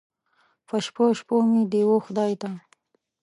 په شپو، شپو مې دې و خدای ته